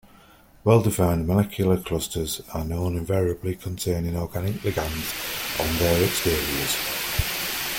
Well-defined, molecular clusters are known, invariably containing organic ligands on their exteriors.